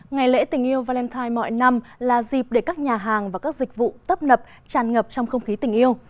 ngày lễ tình yêu valentine mọi năm là dịp để các nhà hàng và các dịch vụ tấp nập tràn ngập trong không khí tình yêu